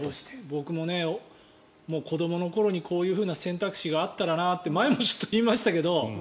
僕も、子どもの頃にこういう選択肢があったらなって前もちょっと言いましたけど。